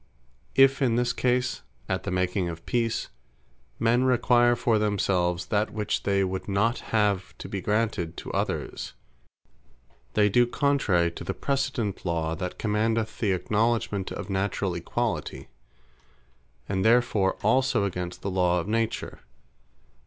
If in this case, at the making of Peace, men require for themselves, that which they would not have to be granted to others, they do contrary to the precedent law, that commandeth the acknowledgement of naturall equalitie, and therefore also against the law of Nature.